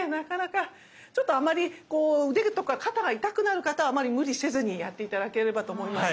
ちょっとあまり腕とか肩が痛くなる方はあまり無理せずにやって頂ければと思います。